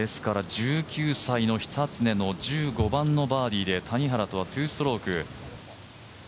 １９歳の久常の１５番のバーディーで谷原とは２ストローク。